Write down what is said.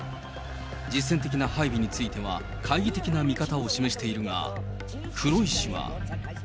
実戦的な配備については懐疑的な見方を示しているが、黒井氏は。